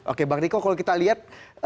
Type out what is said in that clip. oke bang riko kalau kita lihat